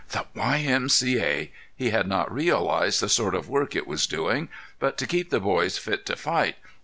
The Y. M. C. A.! He had not realized the sort of work it was doing. But to keep the boys fit to fight!